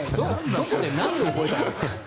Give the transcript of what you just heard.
どこで何を覚えたんですか？